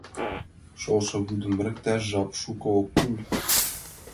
Шолшо вӱдым ырыкташ жап шуко ок кӱл.